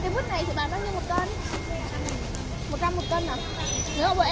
mứt là chị tự làm hả chị